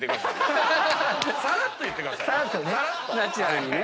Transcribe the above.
さらっと言ってくださいね。